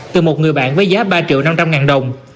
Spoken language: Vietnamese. từ một người bạn với giá ba triệu năm trăm linh ngàn đồng